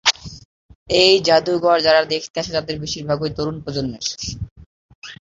এই জাদুঘর যাঁরা দেখতে আসেন, তাঁদের বেশির ভাগই তরুণ প্রজন্মের।